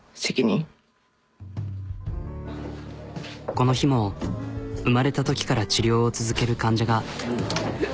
この日も生まれたときから治療を続ける患者が。